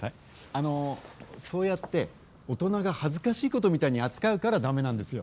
あの、そうやって、大人が恥ずかしいことみたいに扱うから駄目なんですよ。